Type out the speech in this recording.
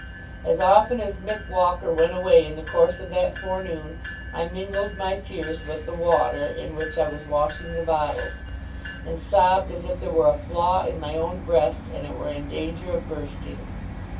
As often as Mick Walker went away in the course of that forenoon, I mingled my tears with the water in which I was washing the bottles; and sobbed as if there were a flaw in my own breast, and it were in danger of bursting.